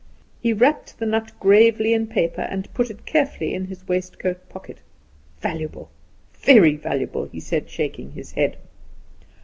He wrapped the nut gravely in paper, and put it carefully in his waistcoat pocket. "Valuable, very valuable!" he said, shaking his head.